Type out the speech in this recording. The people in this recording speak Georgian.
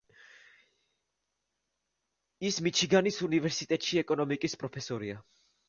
ის მიჩიგანის უნივერსიტეტში ეკონომიკის პროფესორია.